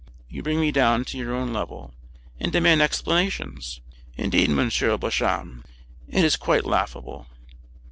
You bring me down to your own level, and demand explanations! Indeed, M. Beauchamp, it is quite laughable."